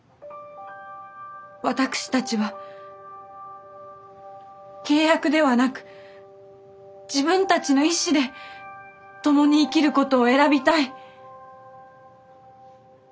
私たちは契約ではなく自分たちの意志で共に生きることを選びたい。